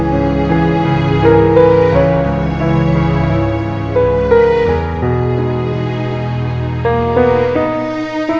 mau akan mahkaman di mahkaman keluarga